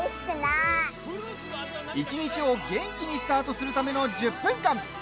一日を元気にスタートするための１０分間。